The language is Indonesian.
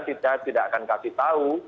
kita tidak akan kasih tahu